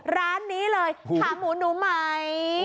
ร้านนี้เลยขาหมูหนูไหม